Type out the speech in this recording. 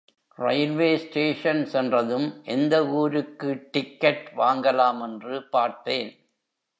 Railway station சென்றதும் எந்த ஊருக்கு டிக்கெட் வாங்கலாமென்று பார்த்தேன்.